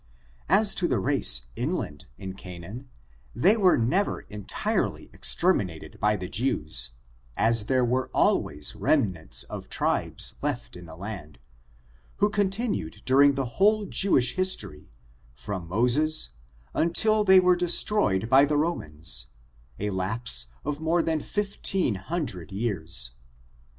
As to the race inland in Canaan, they were never entirely exterminated by the Jews, as there were al ways remnants of tribes left in the land, who con tinued during the Whole Jewish history, from Moses until they were destroyed by the Romans — a lapse of more than fifteen hundred years.